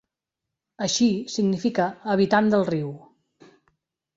Així, significa 'habitant del riu'.